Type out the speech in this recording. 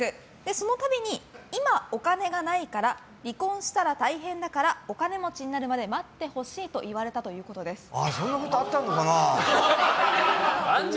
その度に、今お金がないから離婚したら大変だからお金持ちになるまで待ってほしいとそんなことあったのかな。